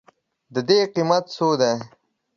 د دې قیمت څو دی؟